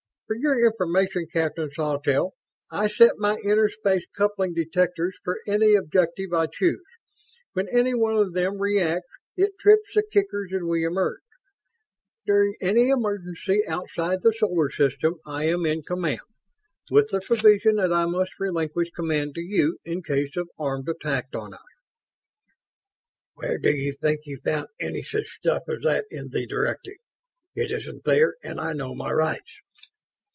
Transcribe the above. "For your information, Captain Sawtelle, I set my inter space coupling detectors for any objective I choose. When any one of them reacts, it trips the kickers and we emerge. During any emergency outside the Solar System I am in command with the provision that I must relinquish command to you in case of armed attack on us." "Where do you think you found any such stuff as that in the directive? It isn't there and I know my rights."